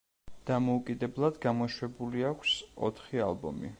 დამოუკიდებლად გამოშვებული აქვს ოთხი ალბომი.